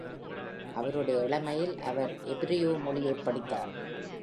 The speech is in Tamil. அவருடைய இளமையில், அவர் எபிரியூ மொழியைப் படித்தார்.